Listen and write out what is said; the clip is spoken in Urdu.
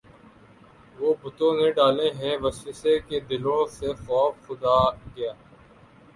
وہ بتوں نے ڈالے ہیں وسوسے کہ دلوں سے خوف خدا گیا